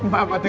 pak patu kan